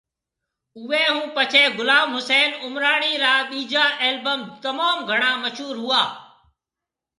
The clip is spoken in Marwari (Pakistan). اوئي ھونپڇي غلام حسين عمراڻي را ٻيجا البم تموم گھڻا مشھور ھوئا